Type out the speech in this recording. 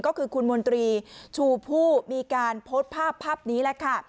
ก็คือคุณมนตรีชูผู้มีการโพสต์ภาพภาพนี้แหละค่ะ